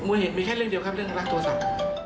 มูลเห็ดมีแค่เรื่องเดียวครับเรื่องรักตัวสัก